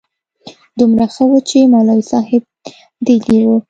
دومره ښه و چې مولوي صاحب دلې و.